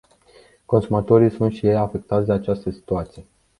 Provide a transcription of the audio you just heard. Consumatorii sunt și ei afectați de această situație.